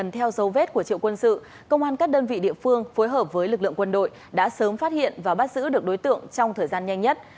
theo dấu vết của triệu quân sự công an các đơn vị địa phương phối hợp với lực lượng quân đội đã sớm phát hiện và bắt giữ được đối tượng trong thời gian nhanh nhất